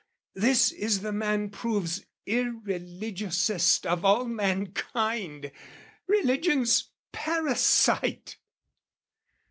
This is the man proves irreligiousest Of all mankind, religion's parasite!